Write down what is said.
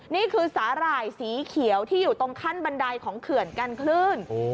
นี่คือสาหร่ายสีเขียวที่อยู่ตรงขั้นบันไดของเขื่อนกันคลื่น